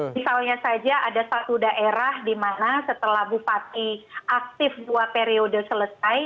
misalnya saja ada satu daerah di mana setelah bupati aktif dua periode selesai